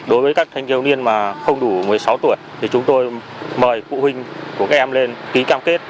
đối với các thanh thiếu niên mà không đủ một mươi sáu tuổi thì chúng tôi mời phụ huynh của các em lên ký cam kết